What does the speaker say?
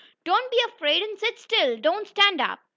"Don't be afraid, and sit still! Don't stand up!"